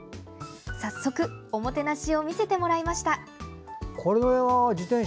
早速、おもてなしを見せてもらいました。